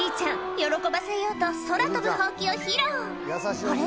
喜ばせようと空飛ぶホウキを披露あれ？